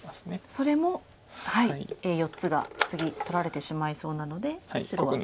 それも４つが次取られてしまいそうなので白は。